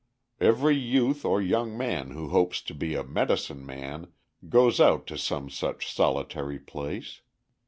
Every youth or young man who hopes to be a "medicine man" goes out to some such solitary place.